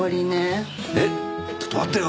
えっちょっと待ってよ！